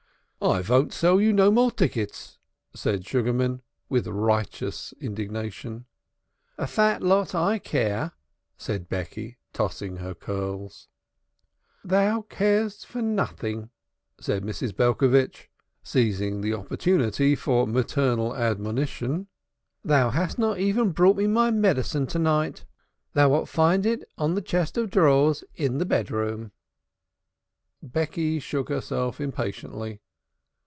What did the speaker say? "I von't sell you no more tickets," said Sugarman with righteous indignation. "A fat lot I care," said Becky, tossing her curls. "Thou carest for nothing," said Mrs. Belcovitch, seizing the opportunity for maternal admonition. "Thou hast not even brought me my medicine to night. Thou wilt find, it on the chest of drawers in the bedroom." Becky shook herself impatiently.